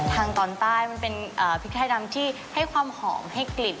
ทางตอนใต้มันเป็นพริกไทยดำที่ให้ความหอมให้กลิ่น